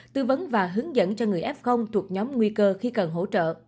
tư vấn và hướng dẫn cho người f thuộc nhóm nguy cơ khi cần hỗ trợ